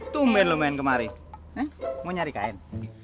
tumben lo main kemari mau nyari kain